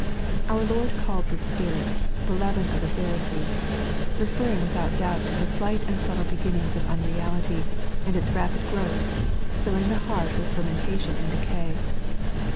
Our Lord called this q)irit " the leaven 3.n.iized by Google Cloaks op Evil. 101 of the Phamees," referring without doubt to the slight and subtle beginnings of unreaJity, and its rapid growth, filling the heart with fermentation and decay.